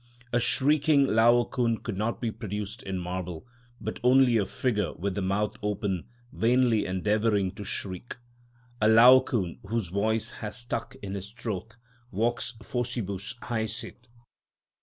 A shrieking Laocoon could not be produced in marble, but only a figure with the mouth open vainly endeavouring to shriek; a Laocoon whose voice has stuck in his throat, vox faucibus haesit.